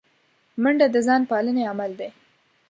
منډه د ځان پالنې عمل دی